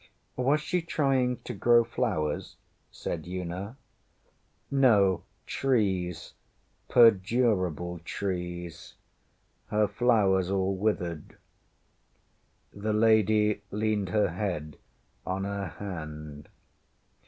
ŌĆÖ ŌĆśWas she trying to grow flowers? ŌĆÖ said Una. ŌĆśNo, trees perdurable trees. Her flowers all withered. ŌĆÖ The lady leaned her head on her hand.